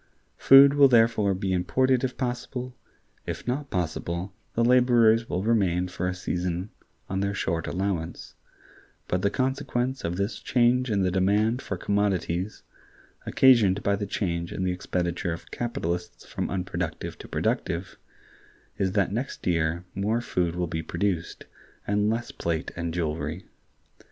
Food will therefore be imported if possible; if not possible, the laborers will remain for a season on their short allowance: but the consequence of this change in the demand for commodities, occasioned by the change in the expenditure of capitalists from unproductive to productive, is that next year more food will be produced, and less plate and jewelry.